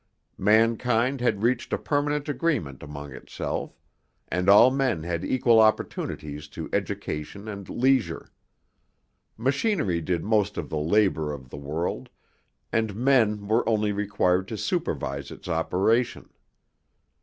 Mankind had reached a permanent agreement among itself, and all men had equal opportunities to education and leisure. Machinery did most of the labor of the world, and men were only required to supervise its operation.